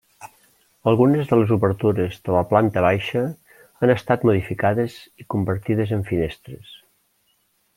Algunes de les obertures de la planta baixa han estat modificades i convertides en finestres.